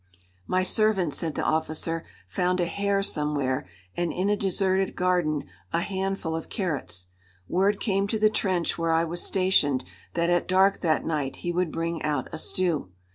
"My servant," said the officer, "found a hare somewhere, and in a deserted garden a handful of carrots. Word came to the trench where I was stationed that at dark that night he would bring out a stew.